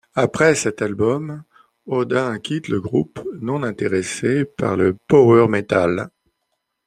Après cet album, Odin quitte le groupe, non intéressé par le power metal.